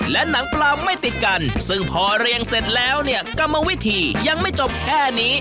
และหนังปลาไม่ติดกันซึ่งพอเรียงเสร็จแล้วเนี่ยกรรมวิธียังไม่จบแค่นี้